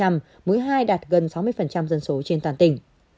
mũi hai đạt gần sáu mươi dân số trên toàn tỉnh